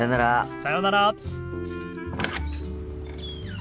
さようなら。